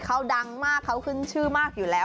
เขาดังมากเขาขึ้นชื่อมากอยู่แล้ว